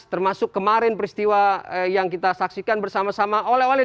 termasuk kemarin peristiwa yang kita saksikan bersama sama oleh oleh